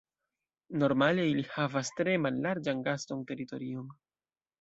Normale ili havas tre mallarĝan gasto-teritorion.